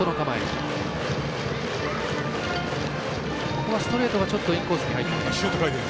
ここはストレートがちょっとインコースに入ってきました。